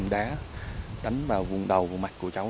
đánh vào vùng đầu vùng mặt của cháu